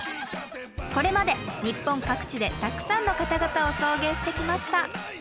これまで日本各地でたくさんの方々を送迎してきました。